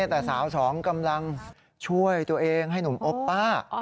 แต่สาวสองกำลังช่วยตัวเองให้หนุ่มโอปป้า